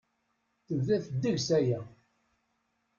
Tebda-t ddeg-s aya.